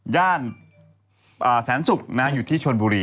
ย่านแสนศุกร์อยู่ที่ชนบุรี